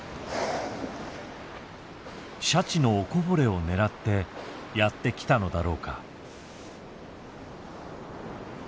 シャチのおこぼれを狙ってやって来たのだろうか。